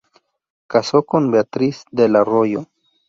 Casó con Beatriz del Arroyo.